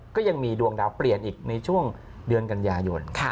ก็ยังมีดวงดาวเปลี่ยนอีกในช่วงเดือนกันยายน